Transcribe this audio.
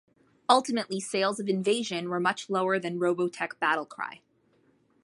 Ultimately sales of Invasion were much lower than Robotech: Battlecry.